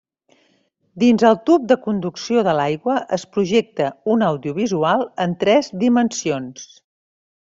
Dins el tub de conducció de l'aigua es projecta un audiovisual en tres dimensions.